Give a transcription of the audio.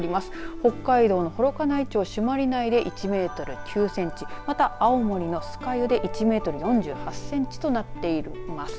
北海道の幌加内町朱鞠内で１メートル９センチまた、青森の酸ヶ湯で１メートル４８センチとなっています。